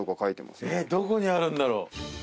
えっどこにあるんだろう。